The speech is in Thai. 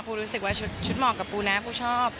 รู้สึกว่าชุดเหมาะกับปูนะปูชอบ